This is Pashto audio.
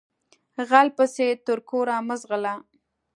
غل پسې تر کوره مه ځغلهٔ